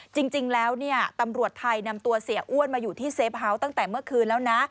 จริงแล้วเนี่ยตำรวจไทยนำตัวเสียอ้วนมาอยู่ที่เซฟเฮาส์ตั้งแต่เมื่อคืนแล้วนะ